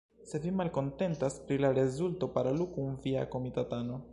Se vi malkontentas pri la rezulto, parolu kun via komitatano